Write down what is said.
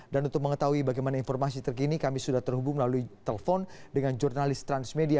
dan untuk mengetahui bagaimana informasi terkini kami sudah terhubung melalui telpon dengan jurnalis transmedia